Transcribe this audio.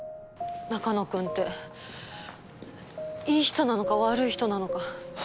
中野くんっていい人なのか悪い人なのか。